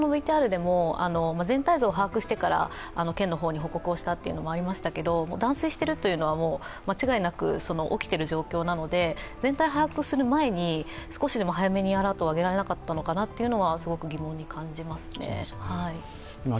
全体像を把握してから県の方に報告したということはありましたけど断水しているというのは間違いなく起きている状況なので、全体を把握する前に少しでも早めにアラートを揚げられなかったのかなとすごく疑問に感じますね。